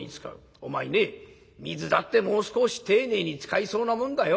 お前ね水だってもう少し丁寧に使いそうなもんだよ。